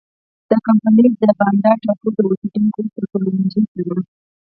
د کمپنۍ د بانډا ټاپو د اوسېدونکو په ټولوژنې سره.